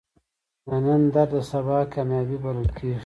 د نن درد د سبا کامیابی بلل کېږي.